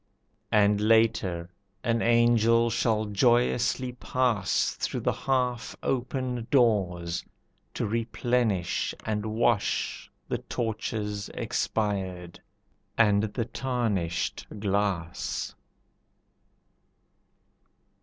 And later an angel shall joyously pass Through the half open doors, to replenish and wash The torches expired, and the tarnished glass.